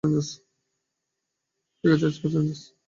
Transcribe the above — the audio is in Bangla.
ঠিক আছে, স্পেস রেঞ্জার্স।